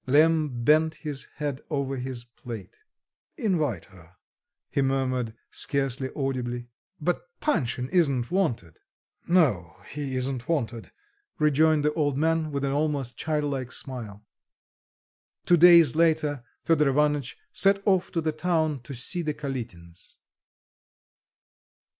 Lemm bent his head over his plate. "Invite her," he murmured, scarcely audibly. "But Panshin isn't wanted?" "No, he isn't wanted," rejoined the old man with an almost child like smile. Two days later Fedor Ivanitch set off to the town to see the Kalitins.